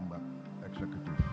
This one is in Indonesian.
dari pembak eksekutif